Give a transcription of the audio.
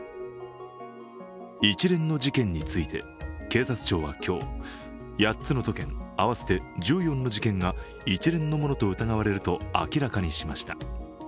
一連の事件について、警察庁は今日８つの都県、合わせて１４の事件が一連のものと疑われると明らかにしました。